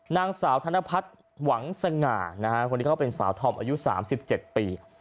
นางสาวธนพัฒน์หวังสง่านะฮะคนที่เขาเป็นสาวธอมอายุ๓๗ปี